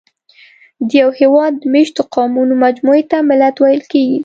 د یوه هېواد د مېشتو قومونو مجموعې ته ملت ویل کېږي.